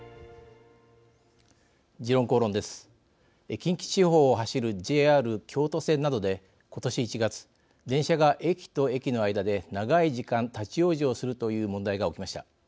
近畿地方を走るＪＲ京都線などで今年１月、電車が駅と駅の間で長い時間、立往生するという問題が起きました。